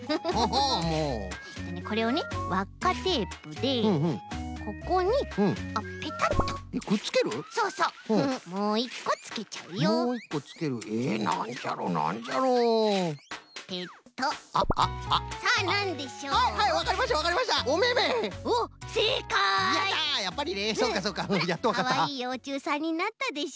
ほらかわいいようちゅうさんになったでしょ？